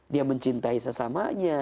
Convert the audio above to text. dia mencintai sesamanya